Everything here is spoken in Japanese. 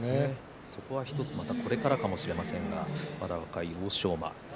そこはこれからかもしれません、まだ若い欧勝馬です。